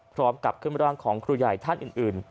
พร้อมกับเครื่องบริการของครูใหญ่ท่านอื่น